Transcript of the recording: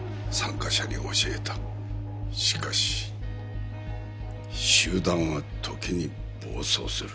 しかし集団は時に暴走する。